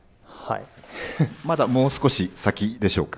まだもう少し先でしょうか。